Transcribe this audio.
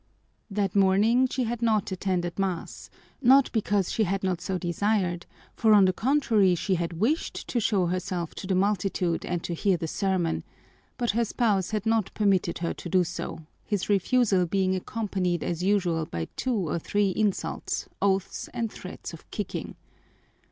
That morning she had not attended mass, not because she had not so desired, for on the contrary she had wished to show herself to the multitude and to hear the sermon, but her spouse had not permitted her to do so, his refusal being accompanied as usual by two or three insults, oaths, and threats of kicking.